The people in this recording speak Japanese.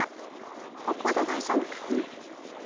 ここで大丈夫かな？